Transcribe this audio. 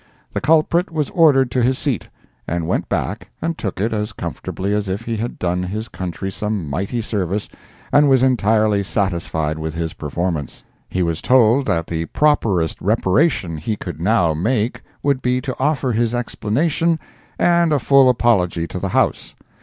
The culprit was ordered to his seat, and went back and took it as comfortably as if he had done his country some mighty service and was entirely satisfied with his performance. He was told that the properest reparation he could now make would be to offer his explanation and a full apology to the House.